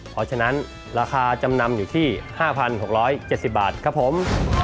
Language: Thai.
เพราะฉะนั้นราคาจำนำอยู่ที่๕๖๗๐บาทครับผม